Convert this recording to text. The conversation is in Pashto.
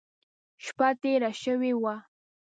شپه تېره شوې وه.